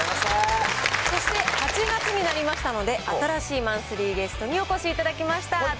そして８月になりましたので、新しいマンスリーゲストにお越しいただきました。